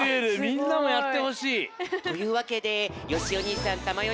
みんなもやってほしい。というわけでよしお兄さんたまよ